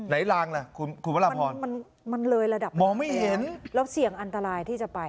ไหนลางละคุณคุณมันเลยระดับมองไม่เห็นแล้วเสี่ยงอันตรายที่จะไป